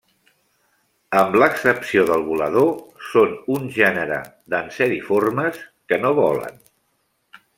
Amb l'excepció del volador, són un gènere d'anseriformes que no volen.